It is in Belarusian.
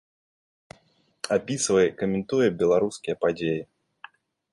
Апісвае і каментуе беларускія падзеі.